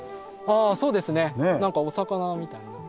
あそうですねなんかお魚みたいなのを。